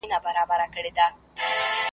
پردی کسب .